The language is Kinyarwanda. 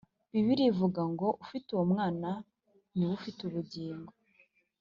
Bibiliya ivuga ngo "Ufite uwo Mwana niwe ufite ubugingo."